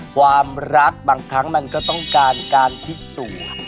ความรักบางครั้งมันก็ต้องการการพิสูจน์